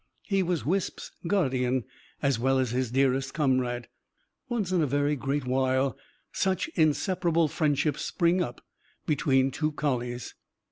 He was Wisp's guardian, as well as his dearest comrade. Once in a very great while such inseparable friendships spring up between two collies.